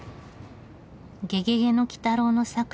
「ゲゲゲの鬼太郎」の作者